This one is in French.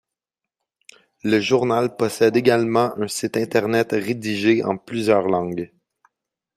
Le journal possède également un site internet rédigé en plusieurs langues.